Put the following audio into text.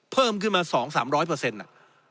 เพิ่มขึ้นมา๒๓๐๐อ่ะ